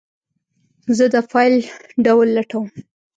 زه د فایل ډول لټوم.